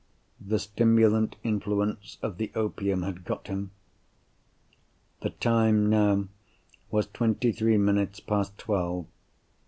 The stimulant influence of the opium had got him. The time, now, was twenty three minutes past twelve.